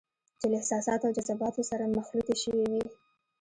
چې له احساساتو او جذباتو سره مخلوطې شوې وي.